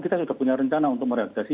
kita sudah punya rencana untuk mereaksi